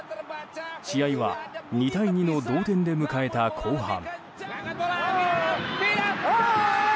試合は２対２の同点で迎えた後半。